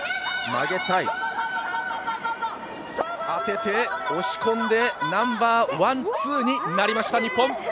当てて、押し込んで、ナンバーワン、ツーになりました、日本。